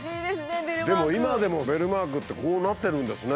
でも今でもベルマークってこうなってるんですね。